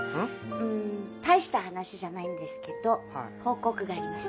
うん大した話じゃないんですけど報告があります。